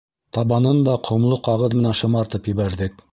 Табанын да ҡомло ҡағыҙ менән шымартып ебәрҙек.